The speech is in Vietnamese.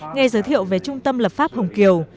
nghe giới thiệu về trung tâm lập pháp hồng kiều